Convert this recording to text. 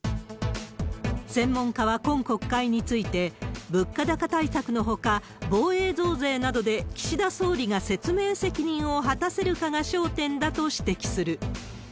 専門家は今国会について、物価高対策のほか、防衛増税などで岸田総理が説明責任を果たせるかが焦点だと指摘する。